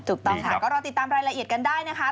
ถูกต้องค่ะก็รอติดตามรายละเอียดกันได้นะคะ